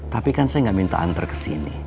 tapi kan saya nggak minta antar ke sini